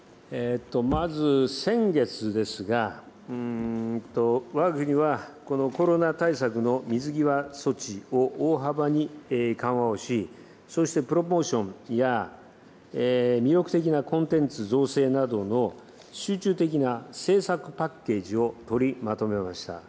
まず先月ですが、わが国はコロナ対策の水際措置を大幅に緩和をし、そしてプロポーションや、魅力的なコンテンツ造成などの、集中的な政策パッケージを取りまとめました。